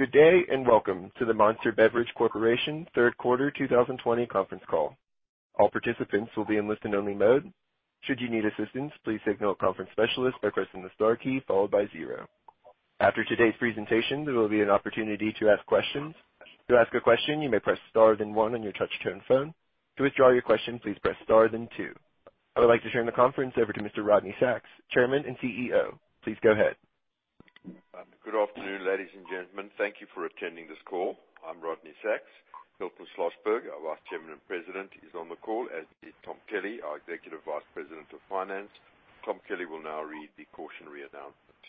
Good day, welcome to the Monster Beverage Corporation third quarter 2020 conference call. All participants will be in listen only mode. After today's presentation, there will be an opportunity to ask questions. I would like to turn the conference over to Mr. Rodney Sacks, Chairman and CEO. Please go ahead. Good afternoon, ladies and gentlemen. Thank you for attending this call. I'm Rodney Sacks. Hilton Schlosberg, our Vice Chairman and President, is on the call, as is Tom Kelly, our Executive Vice President of Finance. Tom Kelly will now read the cautionary announcement.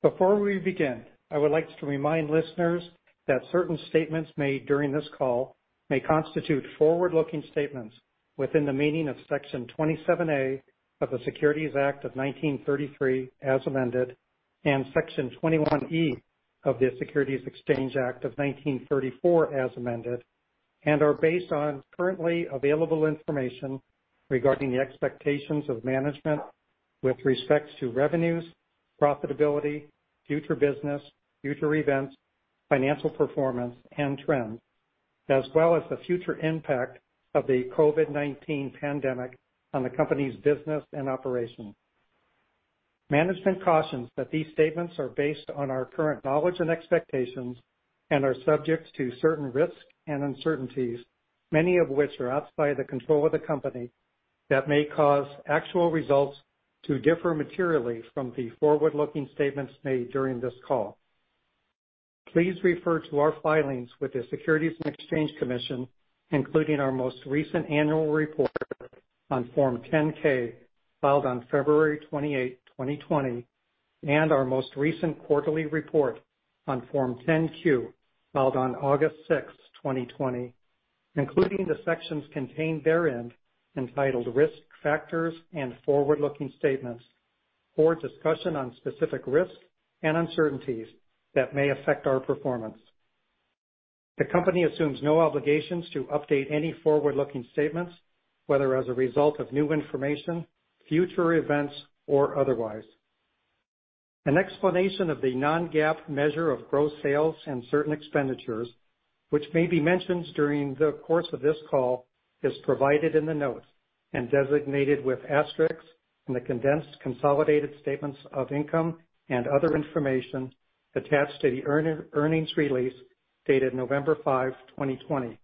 Before we begin, I would like to remind listeners that certain statements made during this call may constitute forward-looking statements within the meaning of Section 27A of the Securities Act of 1933, as amended, and Section 21E of the Securities Exchange Act of 1934, as amended, and are based on currently available information regarding the expectations of management with respect to revenues, profitability, future business, future events, financial performance, and trends, as well as the future impact of the COVID-19 pandemic on the company's business and operations. Management cautions that these statements are based on our current knowledge and expectations and are subject to certain risks and uncertainties, many of which are outside the control of the company, that may cause actual results to differ materially from the forward-looking statements made during this call. Please refer to our filings with the Securities and Exchange Commission, including our most recent annual report on Form 10-K filed on February 28, 2020, and our most recent quarterly report on Form 10-Q filed on August 6, 2020. Including the sections contained therein entitled Risk Factors and Forward-Looking Statements for a discussion on specific risks and uncertainties that may affect our performance. The company assumes no obligations to update any forward-looking statements, whether as a result of new information, future events, or otherwise. An explanation of the non-GAAP measure of gross sales and certain expenditures, which may be mentioned during the course of this call, is provided in the notes and designated with asterisks in the Condensed Consolidated Statements of Income and other information attached to the earnings release dated November 5, 2020.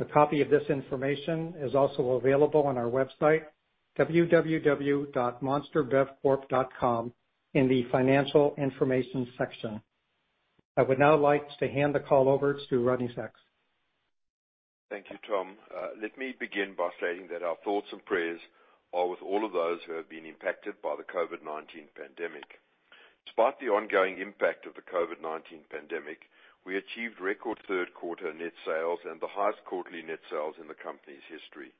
A copy of this information is also available on our website, www.monsterbevcorp.com, in the Financial Information section. I would now like to hand the call over to Rodney Sacks. Thank you, Tom. Let me begin by stating that our thoughts and prayers are with all of those who have been impacted by the COVID-19 pandemic. Despite the ongoing impact of the COVID-19 pandemic, we achieved record third quarter net sales and the highest quarterly net sales in the company's history.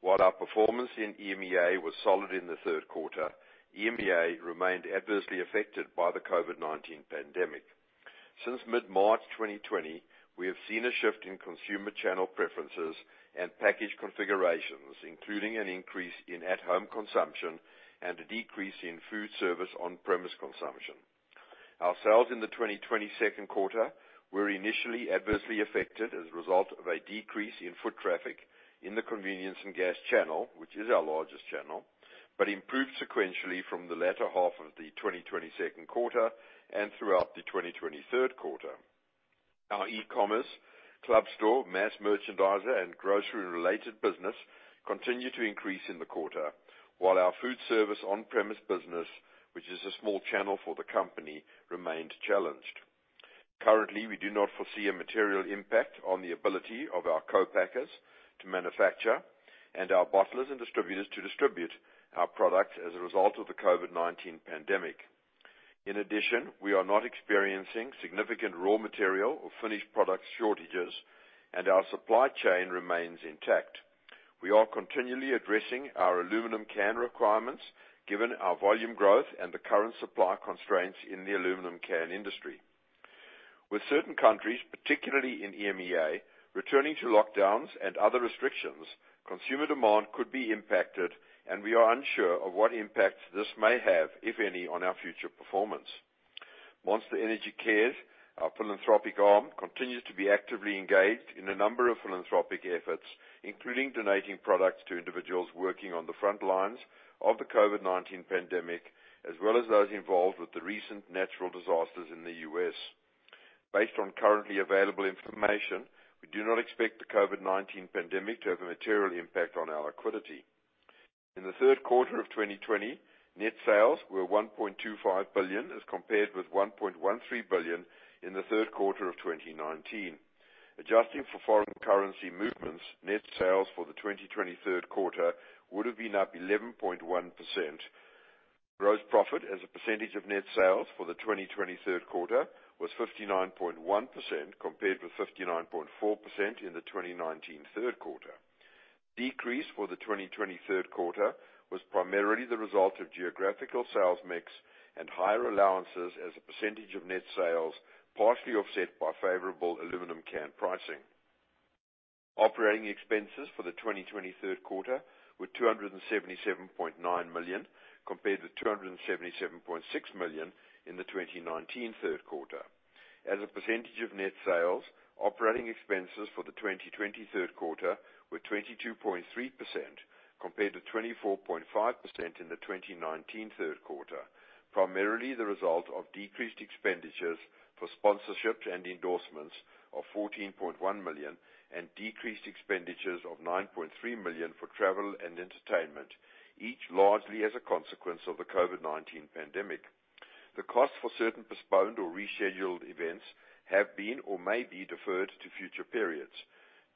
While our performance in EMEA was solid in the third quarter, EMEA remained adversely affected by the COVID-19 pandemic. Since mid-March 2020, we have seen a shift in consumer channel preferences and package configurations, including an increase in at-home consumption and a decrease in food service on-premise consumption. Our sales in the 2020 second quarter were initially adversely affected as a result of a decrease in foot traffic in the convenience and gas channel, which is our largest channel, but improved sequentially from the latter half of the 2020 second quarter and throughout the 2020 third quarter. Our e-commerce, club store, mass merchandiser, and grocery-related business continued to increase in the quarter, while our food service on-premise business, which is a small channel for the company, remained challenged. Currently, we do not foresee a material impact on the ability of our co-packers to manufacture and our bottlers and distributors to distribute our products as a result of the COVID-19 pandemic. We are not experiencing significant raw material or finished product shortages, and our supply chain remains intact. We are continually addressing our aluminum can requirements given our volume growth and the current supply constraints in the aluminum can industry. With certain countries, particularly in EMEA, returning to lockdowns and other restrictions, consumer demand could be impacted, and we are unsure of what impact this may have, if any, on our future performance. Monster Energy Cares, our philanthropic arm, continues to be actively engaged in a number of philanthropic efforts, including donating products to individuals working on the front lines of the COVID-19 pandemic, as well as those involved with the recent natural disasters in the U.S.. Based on currently available information, we do not expect the COVID-19 pandemic to have a material impact on our liquidity. In the third quarter of 2020, net sales were $1.25 billion as compared with $1.13 billion in the third quarter of 2019. Adjusting for foreign currency movements, net sales for the 2020 third quarter would have been up 11.1%. Gross profit as a percentage of net sales for the 2020 third quarter was 59.1%, compared with 59.4% in the 2019 third quarter. Decrease for the 2020 third quarter was primarily the result of geographical sales mix and higher allowances as a percentage of net sales, partially offset by favorable aluminum can pricing. Operating expenses for the 2020 third quarter were $277.9 million, compared to $277.6 million in the 2019 third quarter. As a percentage of net sales, operating expenses for the 2020 third quarter were 22.3%, compared to 24.5% in the 2019 third quarter, primarily the result of decreased expenditures for sponsorships and endorsements of $14.1 million and decreased expenditures of $9.3 million for travel and entertainment, each largely as a consequence of the COVID-19 pandemic. The cost for certain postponed or rescheduled events have been or may be deferred to future periods.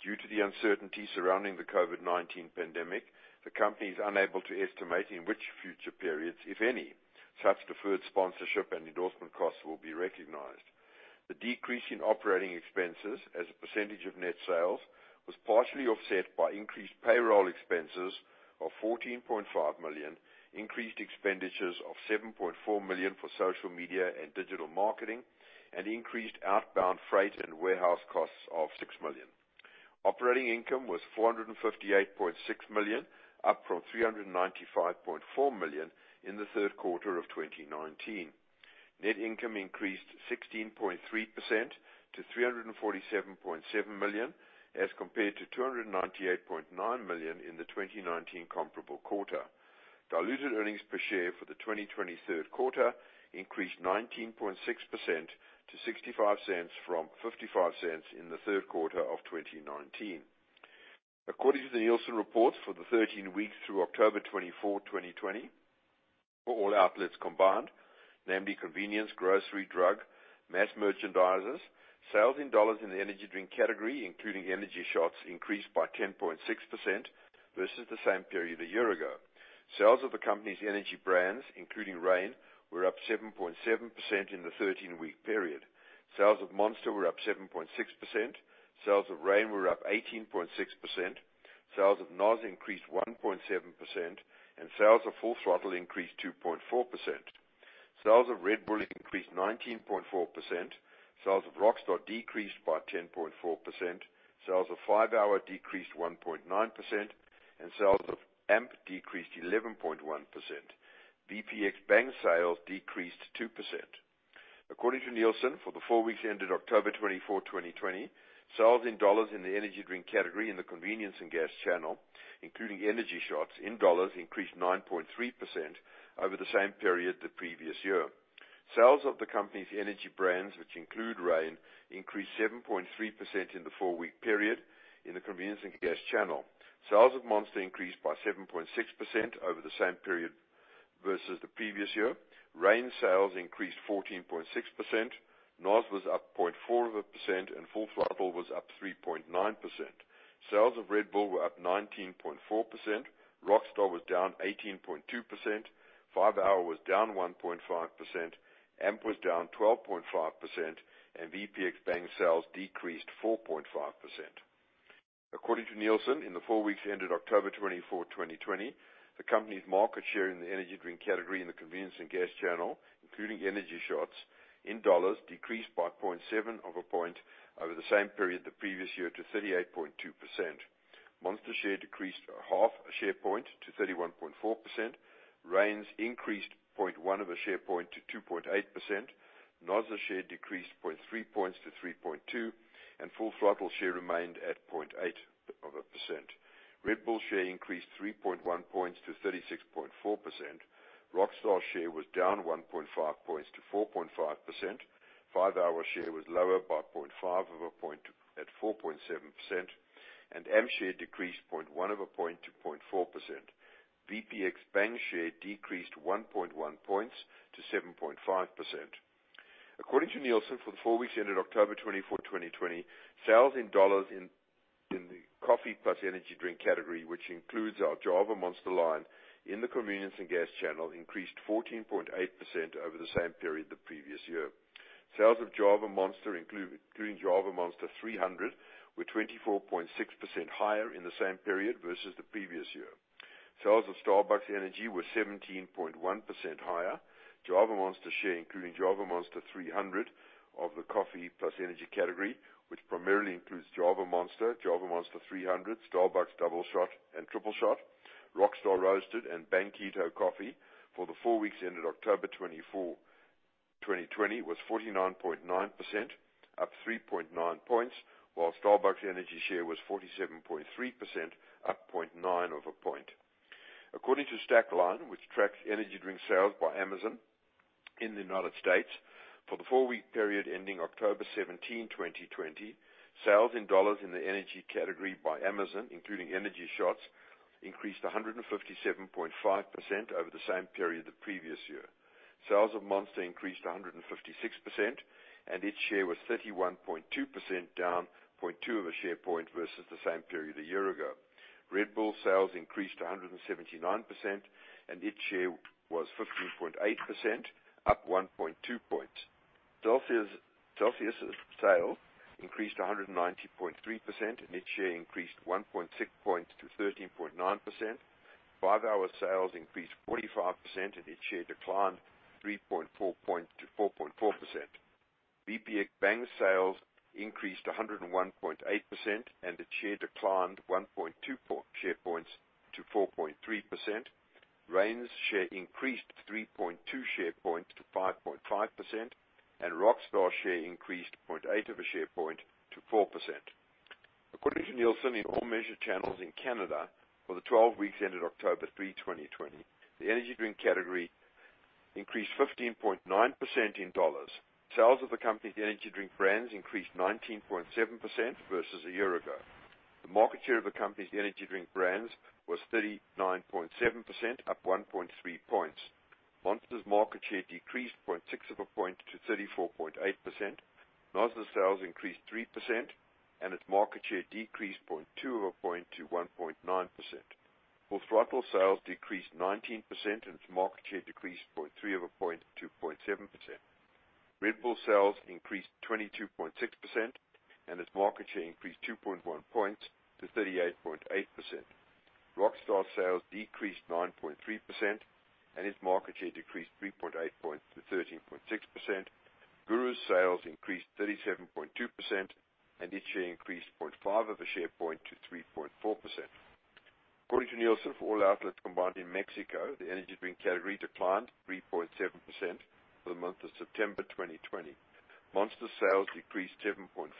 Due to the uncertainty surrounding the COVID-19 pandemic, the company is unable to estimate in which future periods, if any, such deferred sponsorship and endorsement costs will be recognized. The decrease in operating expenses as a percentage of net sales was partially offset by increased payroll expenses of $14.5 million, increased expenditures of $7.4 million for social media and digital marketing, and increased outbound freight and warehouse costs of $6 million. Operating income was $458.6 million, up from $395.4 million in the third quarter of 2019. Net income increased 16.3% to $347.7 million, as compared to $298.9 million in the 2019 comparable quarter. Diluted earnings per share for the 2020 third quarter increased 19.6% to $0.65 from $0.55 in the third quarter of 2019. According to the Nielsen reports for the 13 weeks through October 24, 2020, for all outlets combined, namely convenience, grocery, drug, mass merchandisers, sales in dollars in the energy drink category, including energy shots, increased by 10.6% versus the same period a year ago. Sales of the company's energy brands, including Reign, were up 7.7% in the 13-week period. Sales of Monster were up 7.6%. Sales of Reign were up 18.6%. Sales of NOS increased 1.7%, and sales of Full Throttle increased 2.4%. Sales of Red Bull increased 19.4%. Sales of Rockstar decreased by 10.4%. Sales of 5-hour decreased 1.9%, and sales of AMP decreased 11.1%. VPX Bang sales decreased 2%. According to Nielsen, for the four weeks ended October 24, 2020, sales in U.S. dollars in the energy drink category in the convenience and gas channel, including energy shots in U.S. dollars, increased 9.3% over the same period the previous year. Sales of the company's energy brands, which include Reign, increased 7.3% in the four-week period in the convenience and gas channel. Sales of Monster increased by 7.6% over the same period versus the previous year. Reign sales increased 14.6%. NOS was up 0.4%, and Full Throttle was up 3.9%. Sales of Red Bull were up 19.4%. Rockstar was down 18.2%. 5-hour was down 1.5%. AMP was down 12.5%, and VPX Bang sales decreased 4.5%. According to Nielsen, in the four weeks ended October 24, 2020, the company's market share in the energy drink category in the convenience and gas channel, including energy shots in dollars, decreased by 0.7 of a point over the same period the previous year to 38.2%. Monster share decreased half a share point to 31.4%. Reign's increased 0.1 of a share point to 2.8%. NOS's share decreased 0.3 points to 3.2%, and Full Throttle share remained at 0.8%. Red Bull share increased 3.1 points to 36.4%. Rockstar share was down 1.5 points to 4.5%. 5-hour share was lower by 0.5 of a point at 4.7%, and AMP share decreased 0.1 of a point to 0.4%. VPX Bang share decreased 1.1 points to 7.5%. According to Nielsen, for the four weeks ended October 24, 2020, sales in dollars in the coffee plus energy drink category, which includes our Java Monster line in the convenience and gas channel, increased 14.8% over the same period the previous year. Sales of Java Monster, including Java Monster 300, were 24.6% higher in the same period versus the previous year. Sales of Starbucks Energy were 17.1% higher. Java Monster share, including Java Monster 300 of the coffee plus energy category, which primarily includes Java Monster, Java Monster 300, Starbucks Doubleshot and Starbucks Tripleshot, Rockstar Roasted and Bang Keto Coffee for the four weeks ended October 24, 2020, was 49.9% up 3.9 points, while Starbucks Energy share was 47.3% up 0.9 of a point. According to Stackline, which tracks energy drink sales by Amazon in the U.S., for the four-week period ending October 17, 2020, sales in dollars in the energy category by Amazon, including energy shots, increased 157.5% over the same period the previous year. Sales of Monster increased 156%, and its share was 31.2% down 0.2 of a share point versus the same period a year ago. Red Bull sales increased 179%, and its share was 15.8%, up 1.2 points. Celsius sales increased 190.3%, and its share increased 1.6 points to 13.9%. 5-hour sales increased 45% and its share declined 3.4 point to 4.4%. VPX Bang sales increased 101.8%, and its share declined 1.2 share points to 4.3%. Reign's share increased 3.2 share points to 5.5%, and Rockstar's share increased 0.8 of a share point to 4%. According to Nielsen, in all measured channels in Canada for the 12 weeks ended October 3, 2020, the energy drink category increased 15.9% in dollars. Sales of the company's energy drink brands increased 19.7% versus a year ago. The market share of the company's energy drink brands was 39.7%, up 1.3 points. Monster's market share decreased 0.6 of a point to 34.8%. NOS's sales increased 3%, and its market share decreased 0.2 of a point to 1.9%. Full Throttle sales decreased 19%, and its market share decreased 0.3 of a point to 0.7%. Red Bull sales increased 22.6%, and its market share increased 2.1 points to 38.8%. Rockstar sales decreased 9.3%, and its market share decreased 3.8 points to 13.6%. GURU's sales increased 37.2%, and its share increased 0.5 of a share point to 3.4%. According to Nielsen, for all outlets combined in Mexico, the energy drink category declined 3.7% for the month of September 2020. Monster sales decreased 7.4%.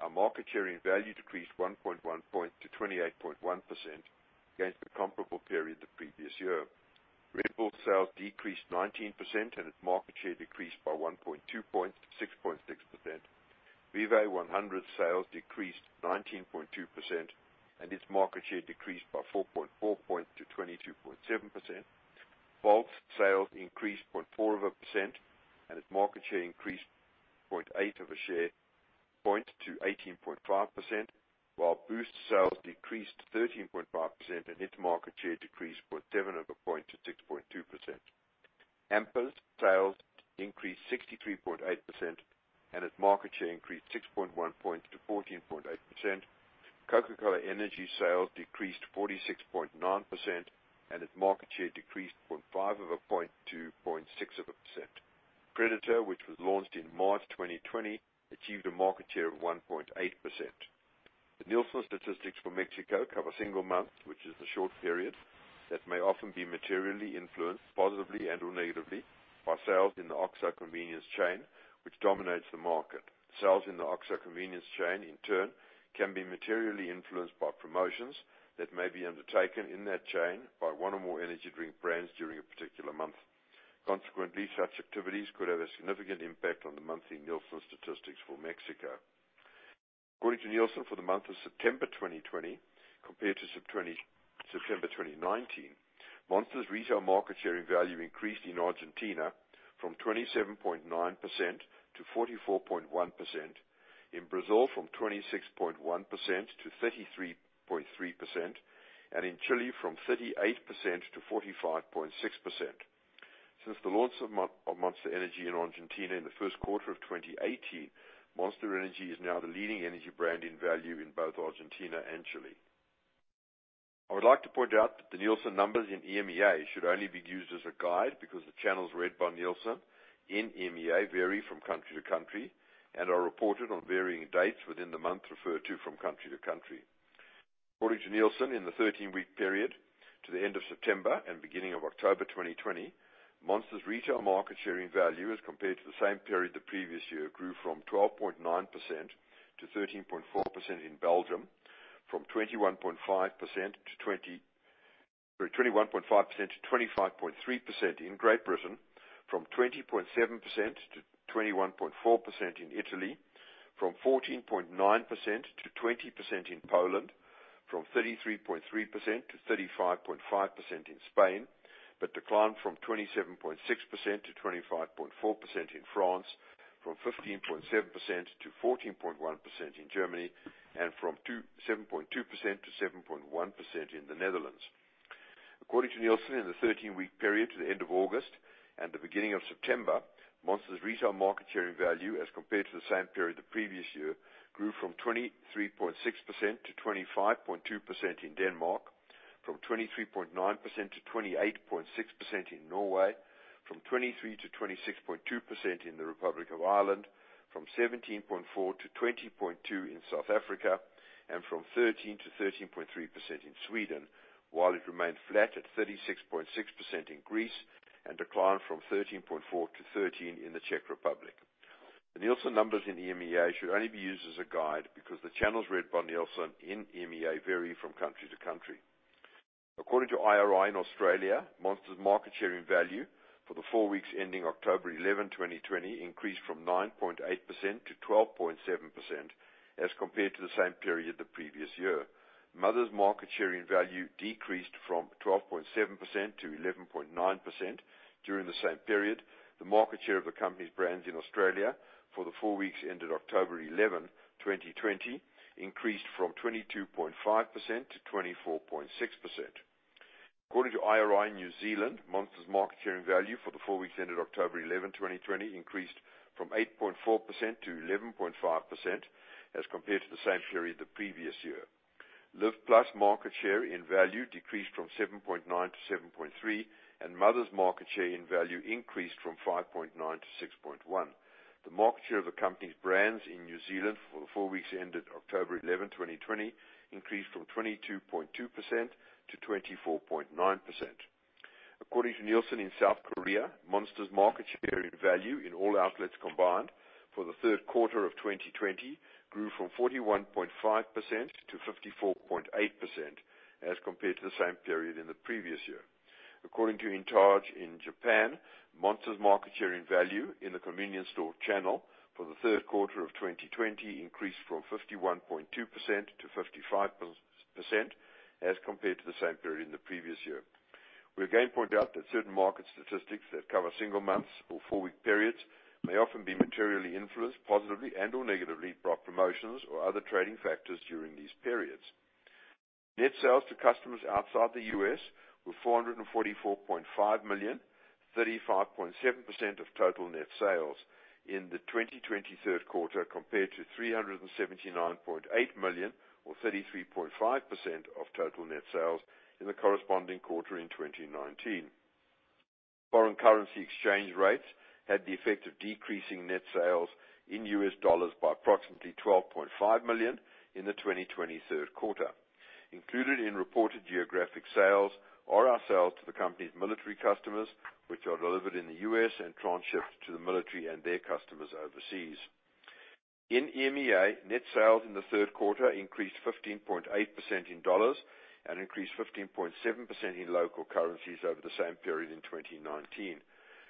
Our market share in value decreased 1.1 point to 28.1% against the comparable period the previous year. Red Bull sales decreased 19%, and its market share decreased by 1.2 points to 6.6%. Vive 100 sales decreased 19.2%, and its market share decreased by 4.4 points to 22.7%. Volt's sales increased 0.4 of a percent, and its market share increased 0.8 of a share point to 18.5%, while Boost sales decreased 13.5%, and its market share decreased 0.7 of a point to 6.2%. AMP sales increased 63.8%, and its market share increased 6.1 points to 14.8%. Coca-Cola Energy sales decreased 46.9%, and its market share decreased 0.5 of a point to 0.6%. Predator, which was launched in March 2020, achieved a market share of 1.8%. The Nielsen statistics for Mexico cover a single month, which is a short period that may often be materially influenced positively and/or negatively by sales in the OXXO convenience chain, which dominates the market. Sales in the OXXO convenience chain, in turn, can be materially influenced by promotions that may be undertaken in that chain by one or more energy drink brands during a particular month. Consequently, such activities could have a significant impact on the monthly Nielsen statistics for Mexico. According to Nielsen, for the month of September 2020 compared to September 2019, Monster's retail market share in value increased in Argentina from 27.9% to 44.1%, in Brazil from 26.1% to 33.3%, and in Chile from 38% to 45.6%. Since the launch of Monster Energy in Argentina in the first quarter of 2018, Monster Energy is now the leading energy brand in value in both Argentina and Chile. I would like to point out that the Nielsen numbers in EMEA should only be used as a guide because the channels read by Nielsen in EMEA vary from country to country and are reported on varying dates within the month referred to from country to country. According to Nielsen, in the 13-week period to the end of September and beginning of October 2020, Monster's retail market share in value as compared to the same period the previous year grew from 12.9% to 13.4% in Belgium, from 21.5% to 25.3% in Great Britain, from 20.7% to 21.4% in Italy, from 14.9% to 20% in Poland, from 33.3% to 35.5% in Spain. Declined from 27.6% to 25.4% in France, from 15.7% to 14.1% in Germany, and from 7.2% to 7.1% in the Netherlands. According to Nielsen, in the 13-week period to the end of August and the beginning of September, Monster's retail market share in value as compared to the same period the previous year grew from 23.6% to 25.2% in Denmark, from 23.9% to 28.6% in Norway, from 23% to 26.2% in the Republic of Ireland, from 17.4% to 20.2% in South Africa, and from 13% to 13.3% in Sweden, while it remained flat at 36.6% in Greece and declined from 13.4% to 13% in the Czech Republic. The Nielsen numbers in EMEA should only be used as a guide because the channels read by Nielsen in EMEA vary from country to country. According to IRI in Australia, Monster's market share in value for the four weeks ending October 11, 2020, increased from 9.8% to 12.7% as compared to the same period the previous year. Mother's market share in value decreased from 12.7% to 11.9% during the same period. The market share of the company's brands in Australia for the four weeks ended October 11, 2020, increased from 22.5% to 24.6%. According to IRI New Zealand, Monster's market share in value for the four weeks ended October 11, 2020, increased from 8.4% to 11.5% as compared to the same period the previous year. Live+ market share in value decreased from 7.9% to 7.3%, and Mother's market share in value increased from 5.9% to 6.1%. The market share of the company's brands in New Zealand for the four weeks ended October 11, 2020, increased from 22.2% to 24.9%. According to Nielsen in South Korea, Monster's market share in value in all outlets combined for the third quarter of 2020 grew from 41.5% to 54.8% as compared to the same period in the previous year. According to INTAGE in Japan, Monster's market share in value in the convenience store channel for the third quarter of 2020 increased from 51.2% to 55% as compared to the same period in the previous year. We again point out that certain market statistics that cover single months or four-week periods may often be materially influenced, positively and/or negatively, by promotions or other trading factors during these periods. Net sales to customers outside the U.S. were $444.5 million, 35.7% of total net sales in the 2020 third quarter, compared to $379.8 million or 33.5% of total net sales in the corresponding quarter in 2019. Foreign currency exchange rates had the effect of decreasing net sales in U.S. dollars by approximately $12.5 million in the 2020 third quarter. Included in reported geographic sales are our sales to the company's military customers, which are delivered in the U.S. and transshipped to the military and their customers overseas. In EMEA, net sales in the third quarter increased 15.8% in dollars and increased 15.7% in local currencies over the same period in 2019.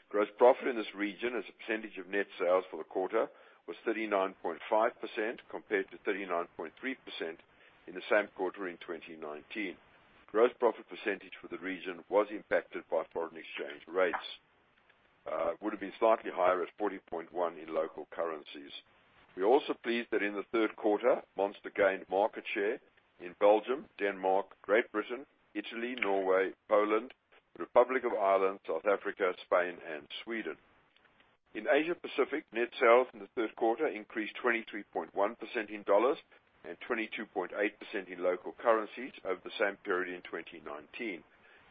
Gross profit in this region as a percentage of net sales for the quarter was 39.5% compared to 39.3% in the same quarter in 2019. Gross profit percentage for the region was impacted by foreign exchange rates. It would've been slightly higher at 40.1% in local currencies. We're also pleased that in the third quarter, Monster gained market share in Belgium, Denmark, Great Britain, Italy, Norway, Poland, the Republic of Ireland, South Africa, Spain, and Sweden. In Asia-Pacific, net sales in the third quarter increased 23.1% in dollars and 22.8% in local currencies over the same period in 2019.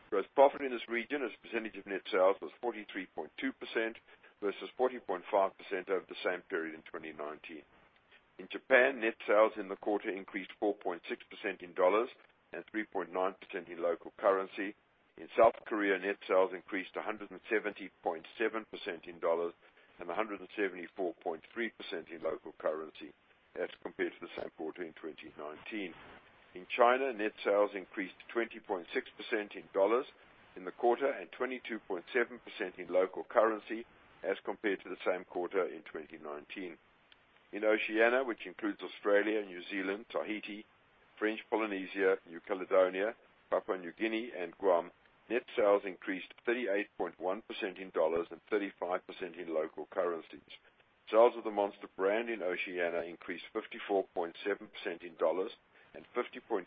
Gross profit in this region as a percentage of net sales was 43.2% versus 40.5% over the same period in 2019. In Japan, net sales in the quarter increased 4.6% in dollars and 3.9% in local currency. In South Korea, net sales increased 170.7% in dollars and 174.3% in local currency as compared to the same quarter in 2019. In China, net sales increased 20.6% in dollars in the quarter and 22.7% in local currency as compared to the same quarter in 2019. In Oceania, which includes Australia, New Zealand, Tahiti, French Polynesia, New Caledonia, Papua New Guinea, and Guam, net sales increased 38.1% in dollars and 35% in local currencies. Sales of the Monster brand in Oceania increased 54.7% in dollars and 50.3%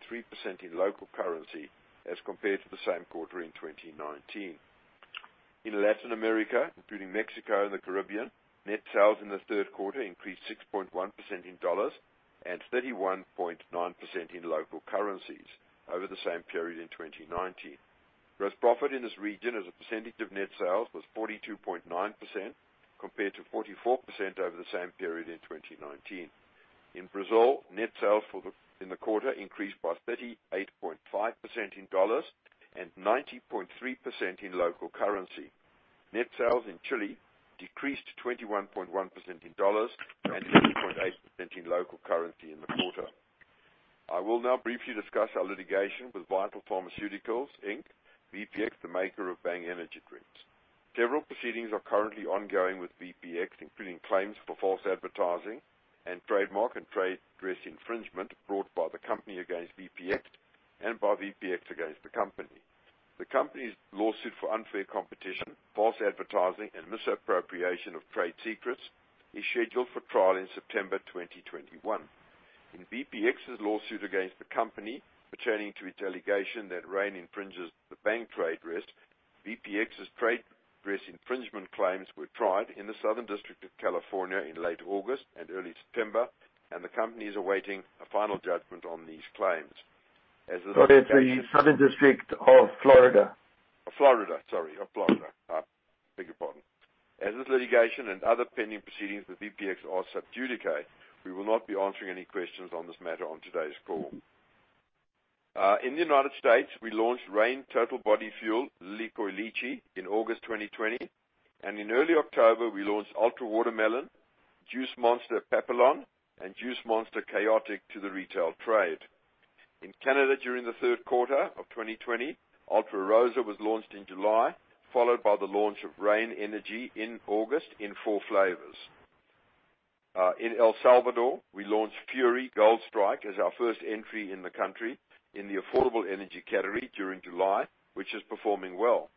in local currency as compared to the same quarter in 2019. In Latin America, including Mexico and the Caribbean, net sales in the third quarter increased 6.1% in dollars and 31.9% in local currencies over the same period in 2019. Gross profit in this region as a percentage of net sales was 42.9% compared to 44% over the same period in 2019. In Brazil, net sales in the quarter increased by 38.5% in dollars and 90.3% in local currency. Net sales in Chile decreased 21.1% in dollars and 20.8% in local currency in the quarter. I will now briefly discuss our litigation with Vital Pharmaceuticals, Inc., VPX, the maker of Bang energy drinks. Several proceedings are currently ongoing with VPX, including claims for false advertising and trademark and trade dress infringement brought by the company against VPX and by VPX against the company. The company's lawsuit for unfair competition, false advertising, and misappropriation of trade secrets is scheduled for trial in September 2021. In VPX's lawsuit against the company pertaining to its allegation that Reign infringes the Bang trade dress, VPX's trade dress infringement claims were tried in the Southern District of California in late August and early September, and the company is awaiting a final judgment on these claims. Sorry, the Southern District of Florida. Florida. Sorry. Of Florida. I beg your pardon. As this litigation and other pending proceedings with VPX are sub judice, we will not be answering any questions on this matter on today's call. In the U.S., we launched Reign Total Body Fuel, Lilikoi Lychee in August 2020. In early October, we launched Ultra Watermelon, Juice Monster Papillon, and Juice Monster Khaotic to the retail trade. In Canada during the third quarter of 2020, Ultra Rosá was launched in July, followed by the launch of Reign Energy in August in four flavors. In El Salvador, we launched Fury Gold Strike as our first entry in the country in the affordable energy category during July, which is performing well.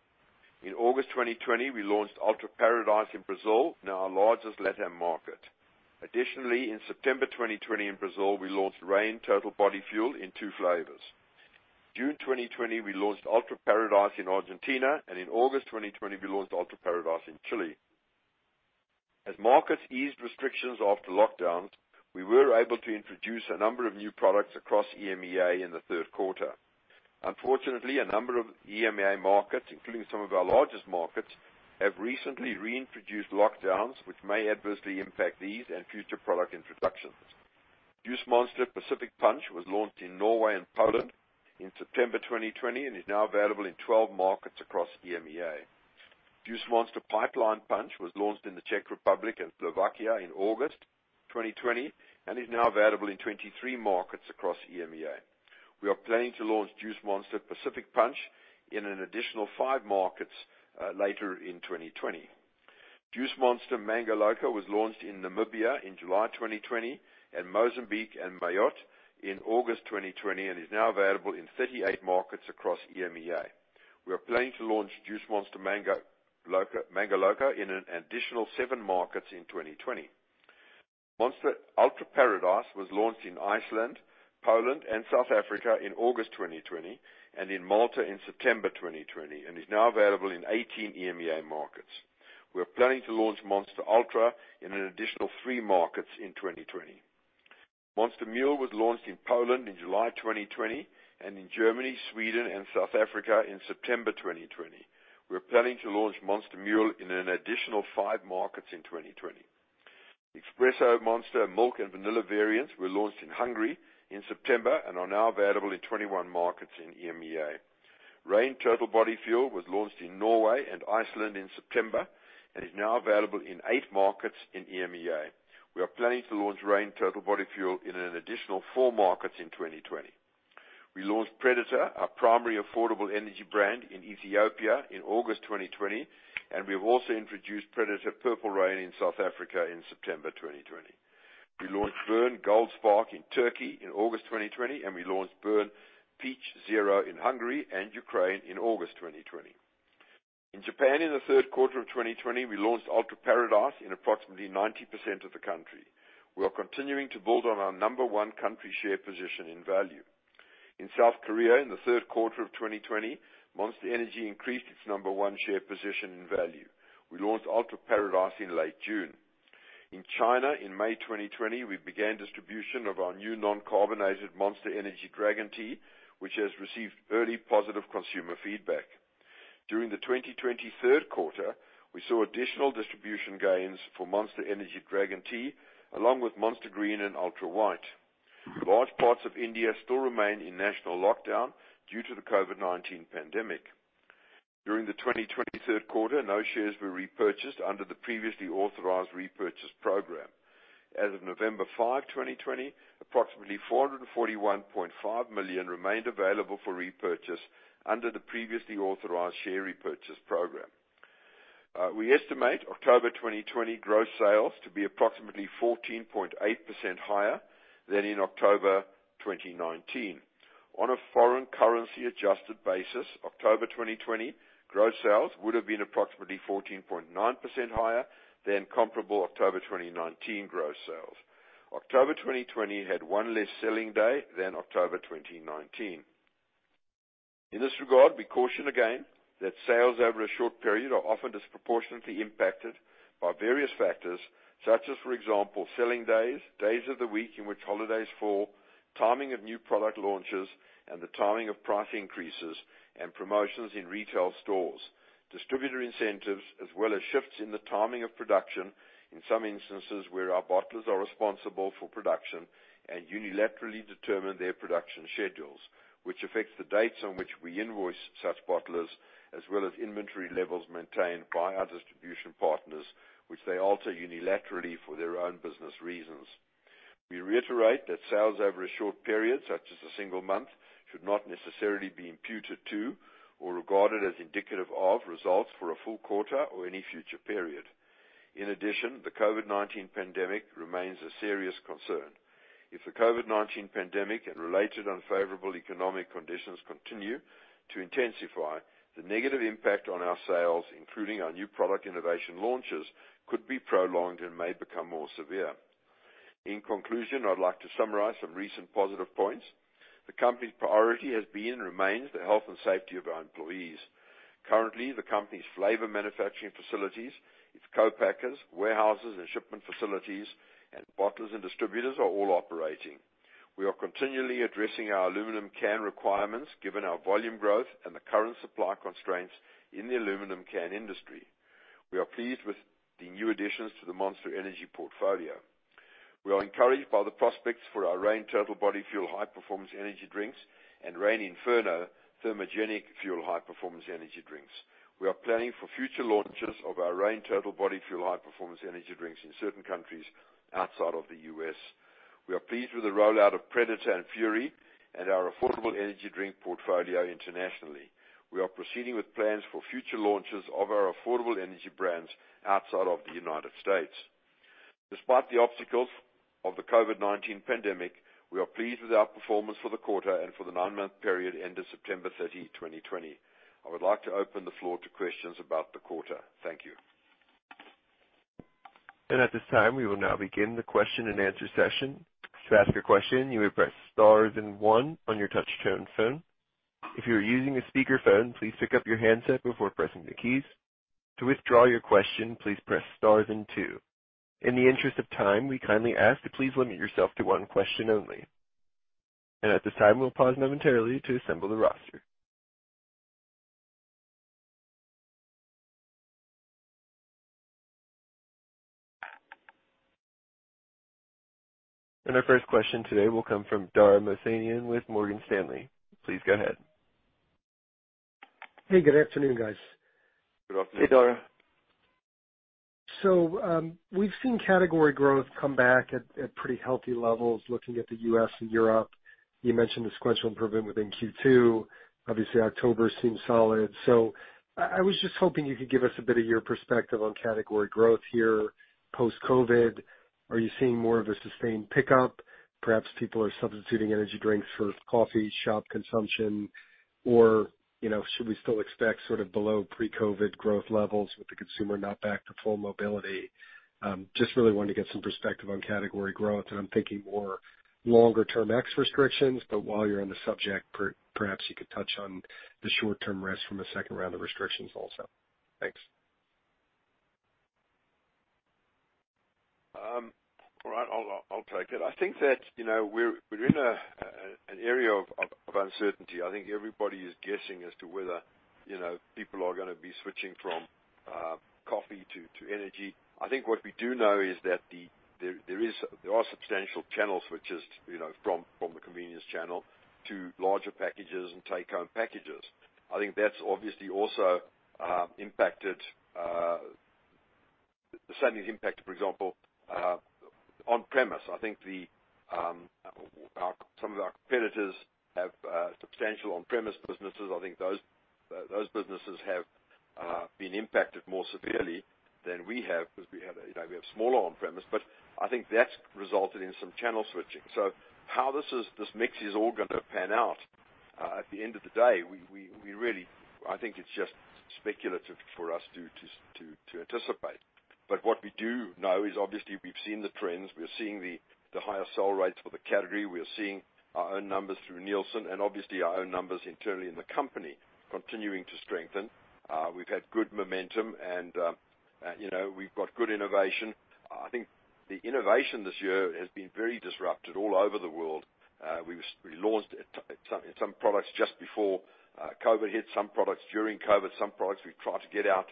In August 2020, we launched Ultra Paradise in Brazil, now our largest LatAm market. In September 2020 in Brazil, we launched Reign Total Body Fuel in two flavors. June 2020, we launched Ultra Paradise in Argentina, and in August 2020, we launched Ultra Paradise in Chile. As markets eased restrictions after lockdowns, we were able to introduce a number of new products across EMEA in the third quarter. Unfortunately, a number of EMEA markets, including some of our largest markets, have recently reintroduced lockdowns, which may adversely impact these and future product introductions. Juice Monster Pacific Punch was launched in Norway and Poland in September 2020 and is now available in 12 markets across EMEA. Juice Monster Pipeline Punch was launched in the Czech Republic and Slovakia in August 2020 and is now available in 23 markets across EMEA. We are planning to launch Juice Monster Pacific Punch in an additional five markets later in 2020. Juice Monster Mango Loco was launched in Namibia in July 2020, and Mozambique and Mayotte in August 2020, and is now available in 38 markets across EMEA. We are planning to launch Juice Monster Mango Loco in an additional seven markets in 2020. Monster Ultra Paradise was launched in Iceland, Poland, and South Africa in August 2020, and in Malta in September 2020, and is now available in 18 EMEA markets. We are planning to launch Monster Ultra in an additional three markets in 2020. Monster Mule was launched in Poland in July 2020, and in Germany, Sweden, and South Africa in September 2020. We are planning to launch Monster Mule in an additional five markets in 2020. Espresso Monster Milk and Vanilla variants were launched in Hungary in September and are now available in 21 markets in EMEA. Reign Total Body Fuel was launched in Norway and Iceland in September and is now available in eight markets in EMEA. We are planning to launch Reign Total Body Fuel in an additional four markets in 2020. We launched Predator, our primary affordable energy brand, in Ethiopia in August 2020, and we have also introduced Predator Purple Rain in South Africa in September 2020. We launched Burn Gold Spark in Turkey in August 2020, and we launched Burn Peach Zero in Hungary and Ukraine in August 2020. In Japan in the third quarter of 2020, we launched Ultra Paradise in approximately 90% of the country. We are continuing to build on our number one country share position in value. In South Korea in the third quarter of 2020, Monster Energy increased its number one share position in value. We launched Ultra Paradise in late June. In China in May 2020, we began distribution of our new non-carbonated Monster Dragon Tea, which has received early positive consumer feedback. During the 2020 third quarter, we saw additional distribution gains for Monster Dragon Tea, along with Monster Green and Monster Ultra White. Large parts of India still remain in national lockdown due to the COVID-19 pandemic. During the 2020 third quarter, no shares were repurchased under the previously authorized repurchase program. As of November 5, 2020, approximately $441.5 million remained available for repurchase under the previously authorized share repurchase program. We estimate October 2020 gross sales to be approximately 14.8% higher than in October 2019. On a foreign currency adjusted basis, October 2020 gross sales would have been approximately 14.9% higher than comparable October 2019 gross sales. October 2020 had one less selling day than October 2019. In this regard, we caution again that sales over a short period are often disproportionately impacted by various factors, such as, for example, selling days of the week in which holidays fall, timing of new product launches, and the timing of price increases and promotions in retail stores, distributor incentives, as well as shifts in the timing of production, in some instances where our bottlers are responsible for production and unilaterally determine their production schedules, which affects the dates on which we invoice such bottlers, as well as inventory levels maintained by our distribution partners, which they alter unilaterally for their own business reasons. We reiterate that sales over a short period, such as a single month, should not necessarily be imputed to or regarded as indicative of results for a full quarter or any future period. In addition, the COVID-19 pandemic remains a serious concern. If the COVID-19 pandemic and related unfavorable economic conditions continue to intensify, the negative impact on our sales, including our new product innovation launches, could be prolonged and may become more severe. In conclusion, I'd like to summarize some recent positive points. The company's priority has been and remains the health and safety of our employees. Currently, the company's flavor manufacturing facilities, its co-packers, warehouses and shipment facilities, and bottlers and distributors are all operating. We are continually addressing our aluminum can requirements given our volume growth and the current supply constraints in the aluminum can industry. We are pleased with the new additions to the Monster Energy portfolio. We are encouraged by the prospects for our Reign Total Body Fuel high-performance energy drinks and Reign Inferno, Thermogenic Fuel high-performance energy drinks. We are planning for future launches of our Reign Total Body Fuel high-performance energy drinks in certain countries outside of the U.S.. We are pleased with the rollout of Predator and Fury and our affordable energy drink portfolio internationally. We are proceeding with plans for future launches of our affordable energy brands outside of the United States. Despite the obstacles of the COVID-19 pandemic, we are pleased with our performance for the quarter and for the nine-month period ending September 30, 2020. I would like to open the floor to questions about the quarter. Thank you. At this time, we will now begin the question and answer session. In the interest of time, we kindly ask to please limit yourself to one question only. At this time, we'll pause momentarily to assemble the roster. Our first question today will come from Dara Mohsenian with Morgan Stanley. Please go ahead. Hey, good afternoon, guys. Good afternoon. Hey, Dara. We've seen category growth come back at pretty healthy levels looking at the U.S. and Europe. You mentioned sequential improvement within Q2. Obviously, October seems solid. I was just hoping you could give us a bit of your perspective on category growth here post-COVID. Are you seeing more of a sustained pickup? Perhaps people are substituting energy drinks for coffee shop consumption, or should we still expect sort of below pre-COVID growth levels with the consumer not back to full mobility? Just really wanted to get some perspective on category growth, and I'm thinking more longer-term ex restrictions. While you're on the subject, perhaps you could touch on the short-term risks from a second round of restrictions also. Thanks. All right, I'll take it. I think that we're in an area of uncertainty. I think everybody is guessing as to whether people are going to be switching from coffee to energy. I think what we do know is that there are substantial channel switches from the convenience channel to larger packages and take-home packages. I think that's obviously also the same impact, for example, on-premise. I think some of our competitors have substantial on-premise businesses. I think those businesses have been impacted more severely than we have because we have smaller on-premise, but I think that's resulted in some channel switching. How this mix is all going to pan out, at the end of the day, I think it's just speculative for us to anticipate. What we do know is obviously we've seen the trends, we're seeing the higher sell rates for the category. We are seeing our own numbers through Nielsen and obviously our own numbers internally in the company continuing to strengthen. We've had good momentum and we've got good innovation. I think the innovation this year has been very disrupted all over the world. We launched some products just before COVID hit, some products during COVID, some products we've tried to get out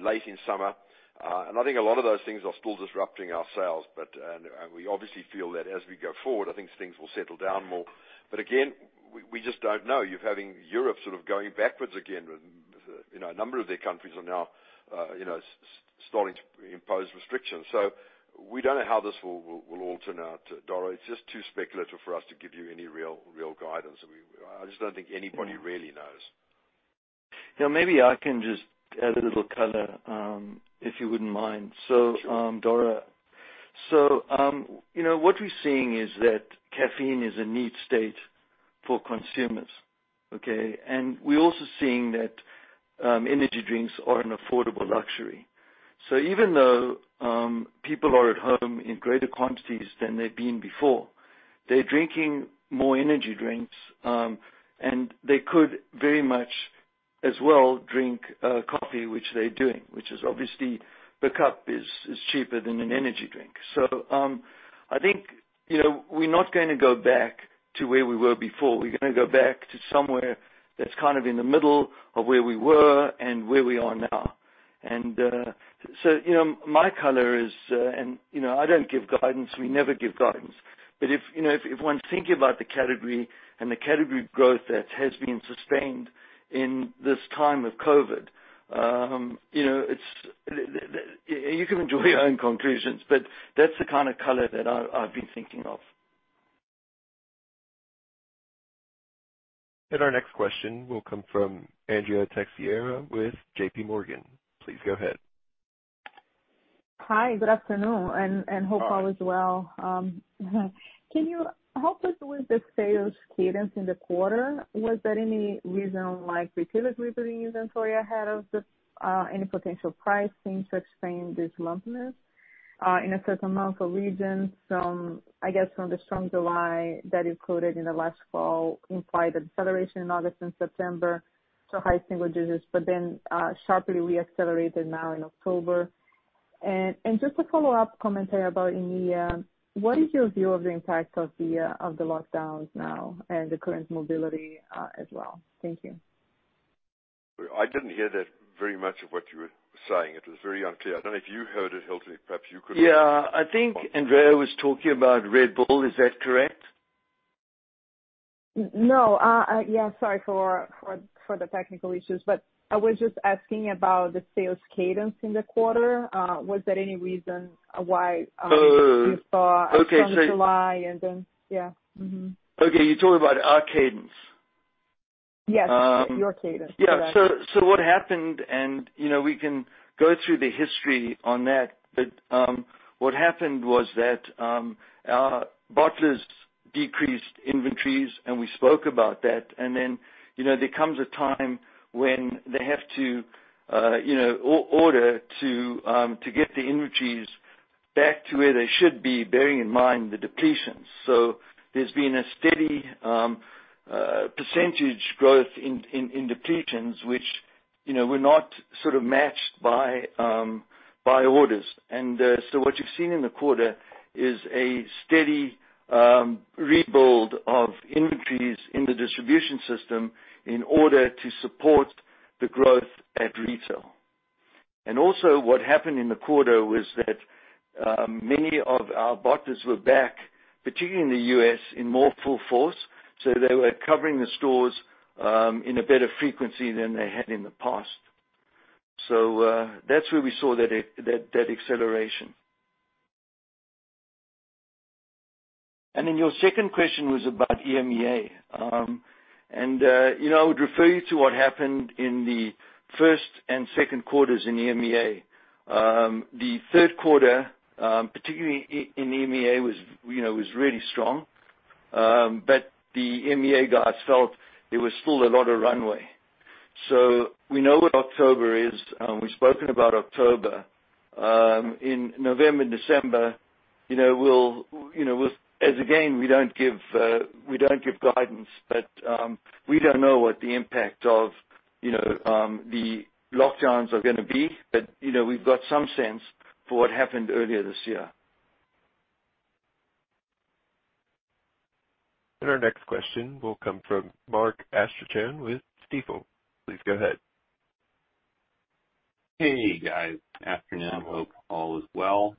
late in summer. I think a lot of those things are still disrupting our sales. We obviously feel that as we go forward, I think things will settle down more. Again, we just don't know. You're having Europe sort of going backwards again. A number of their countries are now starting to impose restrictions. We don't know how this will all turn out, Dara. It's just too speculative for us to give you any real guidance. I just don't think anybody really knows. Maybe I can just add a little color, if you wouldn't mind. Sure. Dara, what we're seeing is that caffeine is a need state for consumers, okay? We're also seeing that energy drinks are an affordable luxury. Even though people are at home in greater quantities than they've been before, they're drinking more energy drinks, and they could very much as well drink coffee, which they're doing, which is obviously the cup is cheaper than an energy drink. I think we're not going to go back to where we were before. We're going to go back to somewhere that's kind of in the middle of where we were and where we are now. My color is, and I don't give guidance, we never give guidance. If one's thinking about the category and the category growth that has been sustained in this time of COVID-19, you can draw your own conclusions, but that's the kind of color that I've been thinking of. Our next question will come from Andrea Teixeira with JPMorgan. Please go ahead. Hi, good afternoon, and hope all is well. Hi. Can you help us with the sales cadence in the quarter? Was there any reason why retailers re-burying inventory ahead of this, any potential pricing to explain this lumpiness in a certain amount of regions? I guess from the strong July that you quoted in the last call implied acceleration in August and September to high single digits, but then sharply re-accelerated now in October. Just a follow-up commentary about EMEA, what is your view of the impact of the lockdowns now and the current mobility as well? Thank you. I didn't hear very much of what you were saying. It was very unclear. I don't know if you heard it, Hilton. Yeah, I think Andrea was talking about Red Bull. Is that correct? No. Yeah, sorry for the technical issues, I was just asking about the sales cadence in the quarter. Was there any reason why- Oh, okay. You saw a strong July and then Yeah. Mm-hmm. Okay, you're talking about our cadence? Yes, your cadence. What happened, and we can go through the history on that, but what happened was that our bottlers decreased inventories, and we spoke about that. There comes a time when they have to order to get the inventories back to where they should be, bearing in mind the depletions. There's been a steady percentage growth in depletions, which were not sort of matched by orders. What you've seen in the quarter is a steady rebuild of inventories in the distribution system in order to support the growth at retail. What happened in the quarter was that many of our bottlers were back, particularly in the U.S., in more full force. They were covering the stores in a better frequency than they had in the past. That's where we saw that acceleration. Your second question was about EMEA. I would refer you to what happened in the first and second quarters in EMEA. The third quarter, particularly in EMEA, was really strong. The EMEA guys felt there was still a lot of runway. We know what October is. We've spoken about October. In November, December, as again, we don't give guidance, but we don't know what the impact of the lockdowns are going to be. We've got some sense for what happened earlier this year. Our next question will come from Mark Astrachan with Stifel. Please go ahead. Hey, guys. Afternoon. Hope all is well.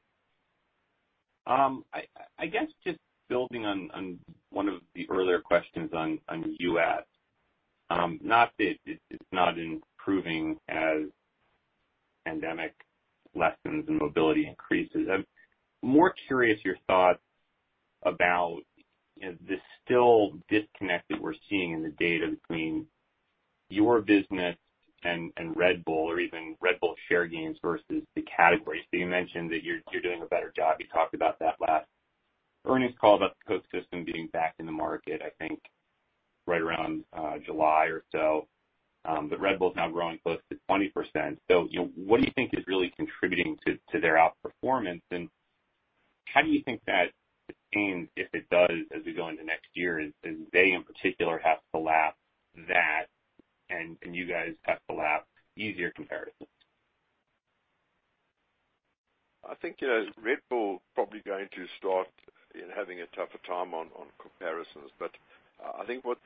I guess just building on one of the earlier questions on U.S.. Not that it's not improving as pandemic lessens and mobility increases. I'm more curious your thoughts about the still disconnect that we're seeing in the data between your business and Red Bull or even Red Bull share gains versus the category. You mentioned that you're doing a better job. You talked about that last earnings call about the Coke System getting back in the market, I think right around July or so. Red Bull's now growing close to 20%. What do you think is really contributing to their outperformance, and how do you think that sustains, if it does, as we go into next year, as they in particular have to lap that and you guys have to lap easier comparisons? I think Red Bull probably going to start having a tougher time on comparisons. I think what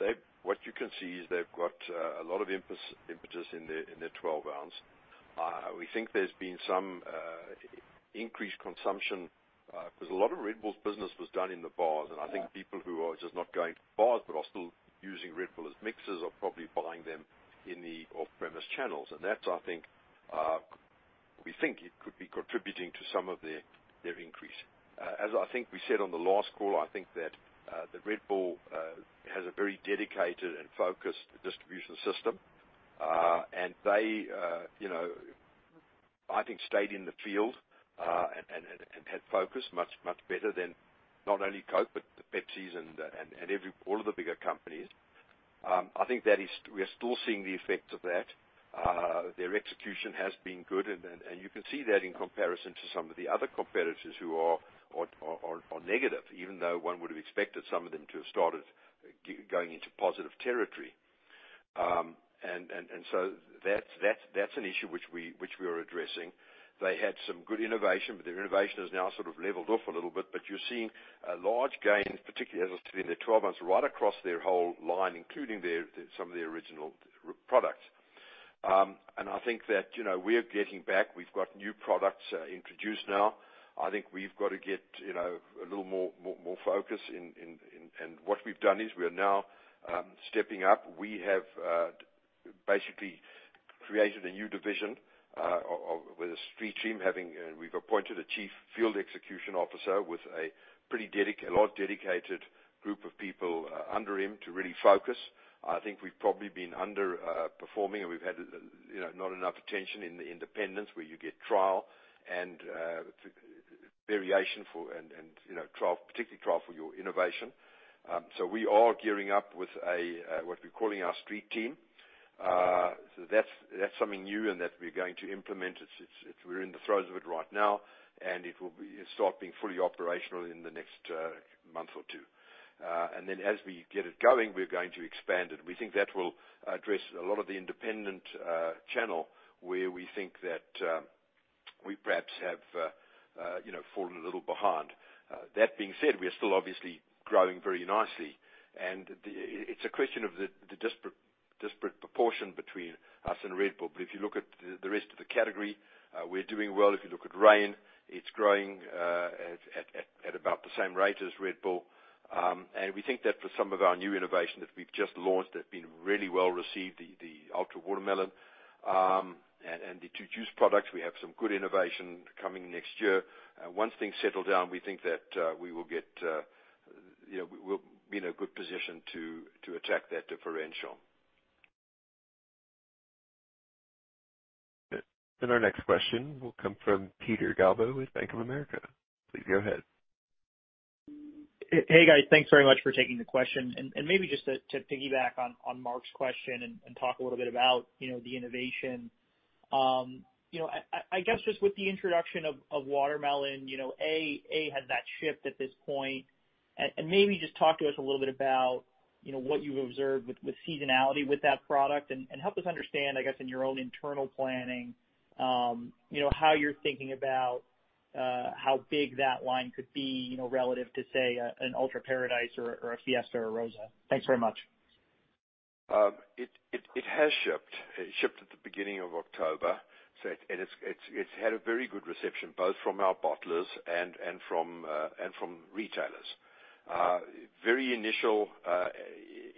you can see is they've got a lot of impetus in their 12-oz. We think there's been some increased consumption, because a lot of Red Bull's business was done in the bars. I think people who are just not going to bars, but are still using Red Bull as mixers are probably buying them in the off-premise channels. That we think it could be contributing to some of their increase. As I think we said on the last call, I think that Red Bull has a very dedicated and focused distribution system. They I think stayed in the field, and had focus much better than not only Coke, but Pepsi and all of the bigger companies. I think that we are still seeing the effects of that. Their execution has been good, and you can see that in comparison to some of the other competitors who are negative, even though one would have expected some of them to have started going into positive territory. That's an issue which we are addressing. They had some good innovation, but their innovation has now sort of leveled off a little bit. You're seeing a large gain, particularly as I said, in their 12-oz, right across their whole line, including some of the original products. I think that we're getting back. We've got new products introduced now. I think we've got to get a little more focus. What we've done is we are now stepping up. We have basically created a new division with a street team. We've appointed a Chief Field Execution Officer with a large dedicated group of people under him to really focus. I think we've probably been under-performing, and we've had not enough attention in the independents where you get trial and variation, and particularly trial for your innovation. We are gearing up with what we're calling our street team. That's something new and that we're going to implement. We're in the throes of it right now, and it will start being fully operational in the next month or two. As we get it going, we're going to expand it. We think that will address a lot of the independent channel where we think that we perhaps have fallen a little behind. That being said, we are still obviously growing very nicely, and it's a question of the disparate proportion between us and Red Bull. If you look at the rest of the category, we're doing well. If you look at Reign, it's growing at about the same rate as Red Bull. We think that for some of our new innovation that we've just launched that have been really well received, the Ultra Watermelon. The two juice products, we have some good innovation coming next year. Once things settle down, we think that we will be in a good position to attack that differential. Good. Our next question will come from Peter Galbo with Bank of America. Please go ahead. Hey, guys. Thanks very much for taking the question. Maybe just to piggyback on Mark's question and talk a little bit about the innovation. I guess, just with the introduction of Watermelon, A, has that shipped at this point? Maybe just talk to us a little bit about what you've observed with seasonality with that product and help us understand, I guess, in your own internal planning, how you're thinking about how big that line could be, relative to, say, an Ultra Paradise or a Fiesta or a Rosá. Thanks very much. It has shipped. It shipped at the beginning of October. It's had a very good reception both from our bottlers and from retailers. Very initial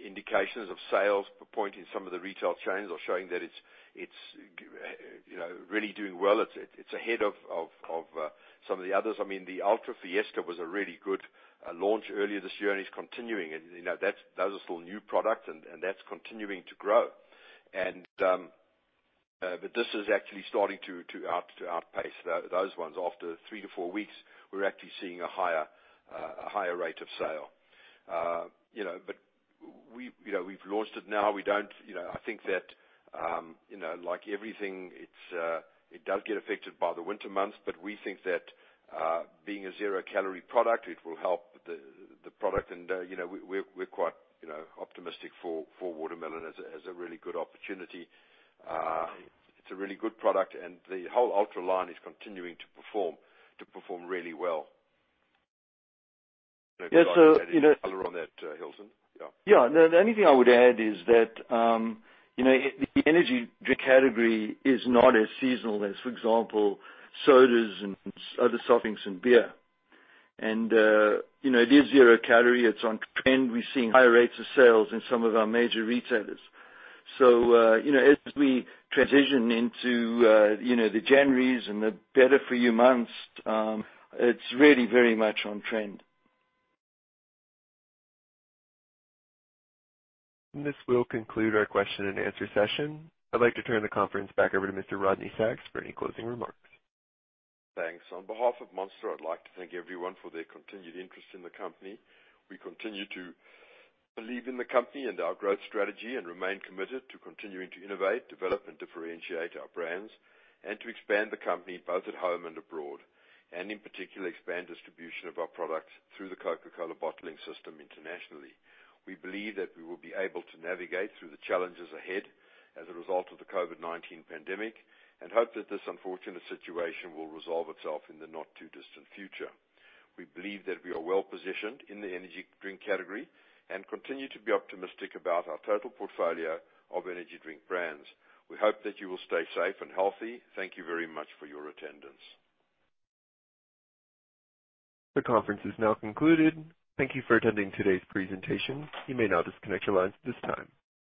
indications of sales point in some of the retail chains are showing that it's really doing well. It's ahead of some of the others. The Ultra Fiesta was a really good launch earlier this year and is continuing. Those are still new products, and that's continuing to grow. This is actually starting to outpace those ones. After three to four weeks, we're actually seeing a higher rate of sale. We've launched it now. I think that, like everything, it does get affected by the winter months. We think that being a zero-calorie product, it will help the product. We're quite optimistic for Watermelon as a really good opportunity. It's a really good product, and the whole Ultra line is continuing to perform really well. Maybe you'd like to add any color on that, Hilton? Yeah. Yeah. No, the only thing I would add is that the energy drink category is not as seasonal as, for example, sodas and other soft drinks and beer. It is zero-calorie. It's on trend. We're seeing higher rates of sales in some of our major retailers. As we transition into the Januaries and the better-for-you months, it's really very much on trend. This will conclude our question and answer session. I'd like to turn the conference back over to Mr. Rodney Sacks for any closing remarks. Thanks. On behalf of Monster, I'd like to thank everyone for their continued interest in the company. We continue to believe in the company and our growth strategy and remain committed to continuing to innovate, develop and differentiate our brands and to expand the company both at home and abroad. In particular, expand distribution of our products through the Coca-Cola bottling system internationally. We believe that we will be able to navigate through the challenges ahead as a result of the COVID-19 pandemic and hope that this unfortunate situation will resolve itself in the not-too-distant future. We believe that we are well-positioned in the energy drink category and continue to be optimistic about our total portfolio of energy drink brands. We hope that you will stay safe and healthy. Thank you very much for your attendance. The conference is now concluded. Thank you for attending today's presentation. You may now disconnect your lines at this time.